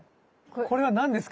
これは何ですか？